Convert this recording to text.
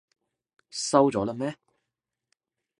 收咗喇咩？